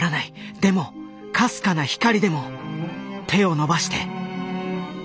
でもかすかな光でも手を伸ばして。